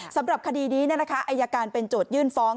สำหรับคดีนี้นะคะอายาการเป็นจุดยื่นฟ้อง